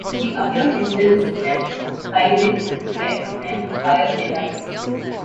She appeared in films such as "Ski Lift To Death" and "Fire and Ice".